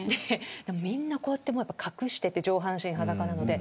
みんな、こうやって隠していて上半身裸なので。